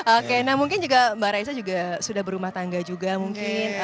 oke nah mungkin juga mbak raisa juga sudah berumah tangga juga mungkin